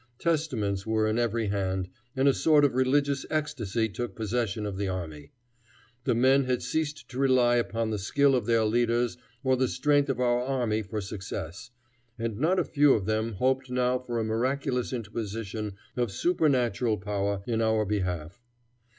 Testaments were in every hand, and a sort of religious ecstasy took possession of the army. The men had ceased to rely upon the skill of their leaders or the strength of our army for success, and not a few of them hoped now for a miraculous interposition of supernatural power in our behalf.